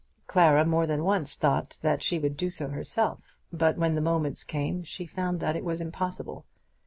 Clara more than once thought that she would do so herself; but when the moments came she found that it was impossible.